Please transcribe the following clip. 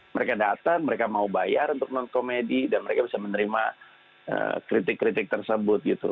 mereka datang mereka mau bayar untuk non komedi dan mereka bisa menerima kritik kritik tersebut gitu